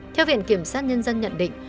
theo viện kiểm sát nhân dân nhận định